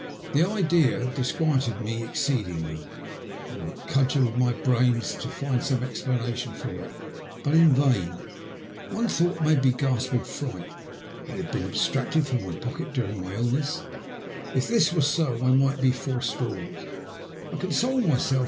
The idea disquieted me exceedingly. I cudgelled my brains to find some explanation for it, but in vain. One thought made me gasp with fright. Had it been ab stracted from my pocket during my illness ? If this were so I might be forestalled. I consoled myself